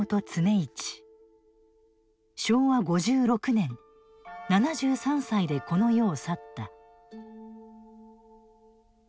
昭和５６年７３歳でこの世を去った。